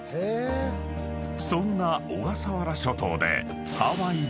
［そんな小笠原諸島で］